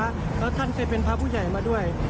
แล้วท่านเคยเป็นพระผู้ใหญ่มาด้วย